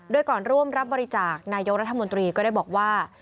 โดยก่อนร่วมรับบริจาคนายกรัฐมนตรีก็ได้บอกว่า